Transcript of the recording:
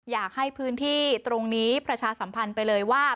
อยากให้พื้นที่ตรงนี้ประชาสัมพันธ์ไปเลยว่า